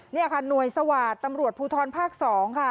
นี่ค่ะหน่วยสวาสตร์ตำรวจภูทรภาค๒ค่ะ